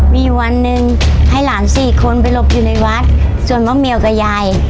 มีวันหนึ่งให้หลานสี่คนไปหลบอยู่ในวัดส่วนมะเมียวกับยาย